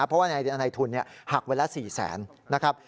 เพราะว่าในทุนหักวันละ๔แสนนะครับ